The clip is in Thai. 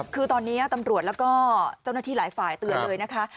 คือตอนนี้ตำรวจแล้วก็เจ้าหน้าที่หลายฝ่ายเตือนเลยนะคะ